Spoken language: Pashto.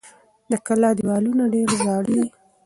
د کلا دېوالونه ډېر زاړه دي.